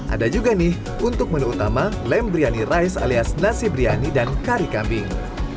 ada juga nih untuk menu utama lem briyani rice alias nasi briyani dan kari kambing